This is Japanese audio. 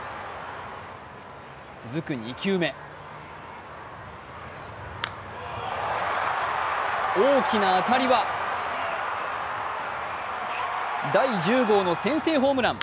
続く２球目大きな当たりは、第１０号の先制ホームラン。